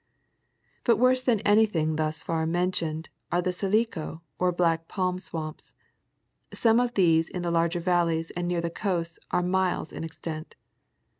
But worse than anything thus far mentioned are the Silico or black palm swamps. Some of these in the larger valleys and near the coast are miles in extent.